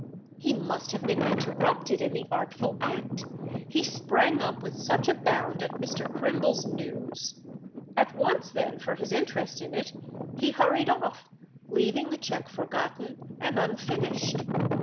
"He must have been interrupted in the artful act—he sprang up with such a bound at Mr. Crimble's news. At once then—for his interest in it—he hurried off, leaving the cheque forgotten and unfinished."